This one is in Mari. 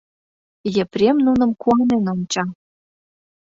Епрем нуным куанен онча.